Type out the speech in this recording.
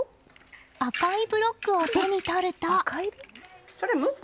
赤いブロックを手に取ると。